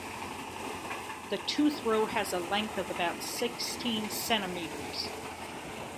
The tooth row has a length of about sixteen centimetres.